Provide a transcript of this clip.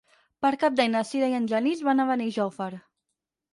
Per Cap d'Any na Sira i en Genís van a Benijòfar.